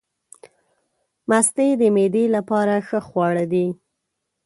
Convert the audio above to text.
مستې د معدې لپاره ښه خواړه دي.